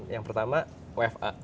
yang pertama wfa